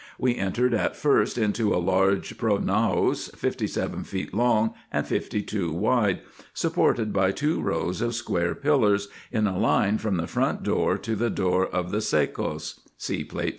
We entered at first into a large pronaos, fifty seven feet long and fifty two wide, e e 2 212 RESEARCHES AND OPERATIONS supported by two rows of square pillars, in a line from the front door to the door of the sekos (See Plate 43).